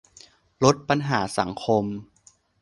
ลดปัญหาสังคม